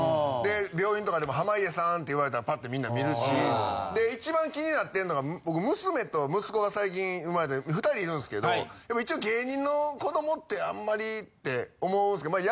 病院とかでも濱家さんって言われたらパッてみんな見るし一番気になってんのが僕娘と息子が最近生まれて２人いるんですけど一応芸人の子どもってあんまりって思うんすけど。